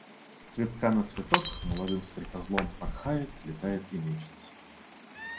С цветка на цветок молодым стрекозлом порхает, летает и мечется.